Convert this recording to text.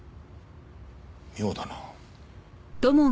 妙だな。